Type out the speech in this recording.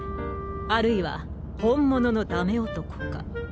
あるいは本物のダメ男か。